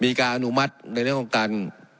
มีการอนุมัติในเรื่องของการ